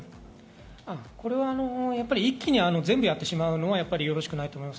これは一気に全部やってしまうのはよろしくないと思います。